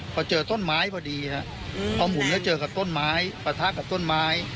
พอเจอต้นไม้พอดีครับพอหมุนแล้วเจอกับต้นไม้ปะทะกับต้นไม้